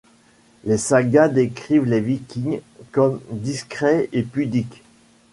Les sagas décrivent les Vikings comme discrets et pudiques.